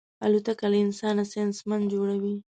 الوتکه له انسانه ساینسمن جوړوي.